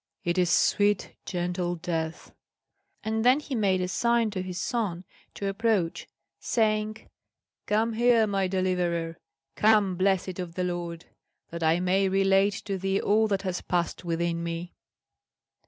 It is sweet gentle death!" And then he made a sign to his son to approach, saying, "Come here, my deliverer; come, blessed of the Lord, that I may relate to thee all that has passed within me."